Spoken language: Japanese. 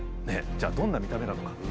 じゃあどんな見た目なのか。